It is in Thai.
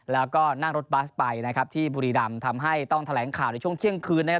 แล้วก็นั่งรถบัสไปนะครับที่บุรีรำทำให้ต้องแถลงข่าวในช่วงเที่ยงคืนนะครับ